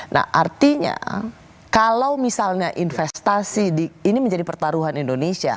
nah artinya kalau misalnya investasi ini menjadi pertaruhan indonesia